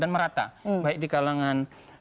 dan merata baik di kalangan